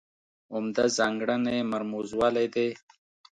عمده ځانګړنه یې مرموزوالی دی.